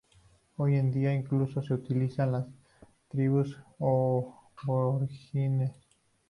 Hoy en día, incluso es utilizada por las tribus aborígenes.